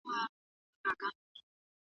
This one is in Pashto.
کېدای سي سبزېجات سوځي.